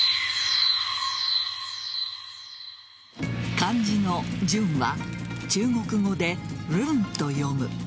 漢字の潤は中国語でランと読む。